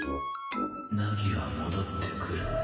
凪は戻ってくる。